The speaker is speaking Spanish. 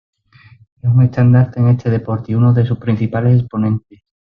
Es un estandarte de este deporte y uno de sus principales exponentes.